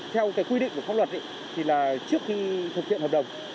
theo quy định của pháp luật thì là trước khi thực hiện hợp đồng